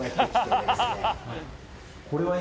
これは今。